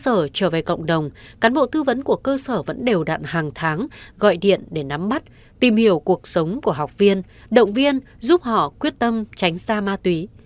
cơ sở trở về cộng đồng cán bộ tư vấn của cơ sở vẫn đều đạn hàng tháng gọi điện để nắm bắt tìm hiểu cuộc sống của học viên động viên giúp họ quyết tâm tránh ra ma túy